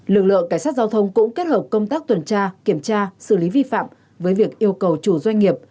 lực lượng cảnh sát giao thông cũng kết hợp công tác tuần tra kiểm tra xử lý vi phạm với việc yêu cầu chủ doanh nghiệp